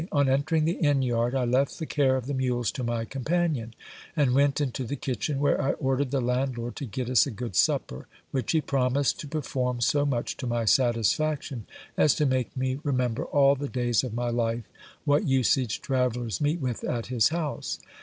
On entering the inn yard, I left the GIL BLAS. care of the mules to my companion, and went into the kitchen, where I ordered the landlord to get us a good supper, which he promised to perform so much to my satisfaction, as to make me remember all the days of my life what usage travellers meet with at his house.